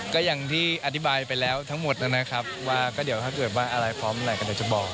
ก็อย่างที่อธิบายไปแล้วทั้งหมดนะครับว่าก็เดี๋ยวถ้าเกิดว่าอะไรพร้อมหน่อยก็เดี๋ยวจะบอก